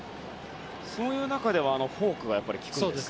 そういう中ではフォークが効くんですか？